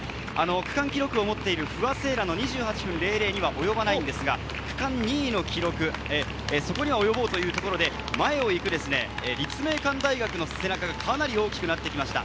区間記録を持っている不破聖衣来の２８分００には及ばないんですが、区間２位の記録、そこに及ぼうというところで、前を行く立命館大学の背中がかなり大きくなってきました。